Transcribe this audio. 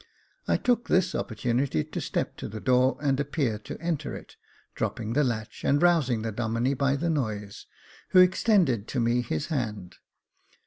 I took this opportunity to step to the door, and appear to enter it, dropping the latch, and rousing the Domine by the noise, who extended to me his hand.